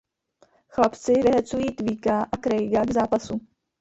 Chlapci vyhecují Tweeka a Craiga k zápasu.